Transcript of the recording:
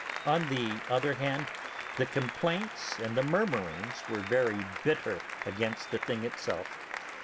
On the other hand, the complaints and the murmurings were very bitter against the thing itself.